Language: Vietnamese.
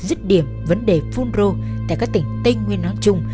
dứt điểm vấn đề phun rô tại các tỉnh tây nguyên nói chung